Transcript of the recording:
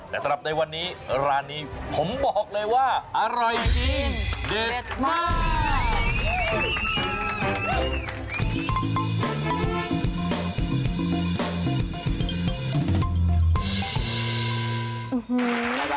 แต่สำหรับในวันนี้ร้านนี้ผมบอกเลยว่าอร่อยจริงเด็ดมาก